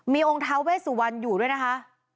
มีองค์ท้าเวสุวรรณอยู่ด้วยนะคะ